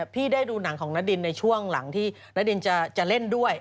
พี่ได้ดูหนังของณดินในช่วงหลังที่ณดินจะเล่นด้วย